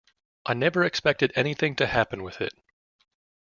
I never expected anything to happen with it.